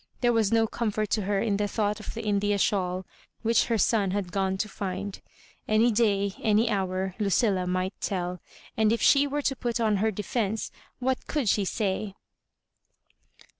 There was no comfort to her in the thought of the India shawl, which her son had gone to find. Any day, any hour, Lueilla might tell; and if she were put on her defence, what could she say?